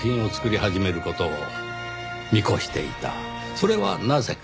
それはなぜか？